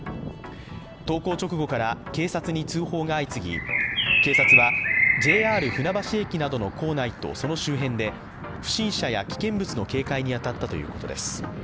投稿直後から警察に通報が相次ぎ、警察はＪＲ船橋駅などの構内とその周辺で不審者や危険物の警戒に当たったということです。